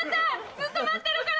ずっと待ってるから！